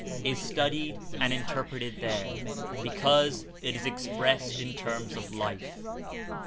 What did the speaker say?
Is studied and Interpreted there, because it is expressed In terms of life.